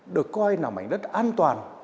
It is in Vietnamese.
được coi nằm ảnh đất an toàn